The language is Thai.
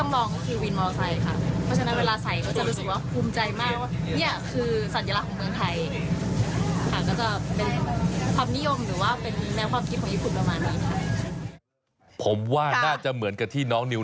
เมืองไทยนะครับวินมอร์ไซต์นี่จะมีชื่อเสียงมากเรื่องความโลดโผล่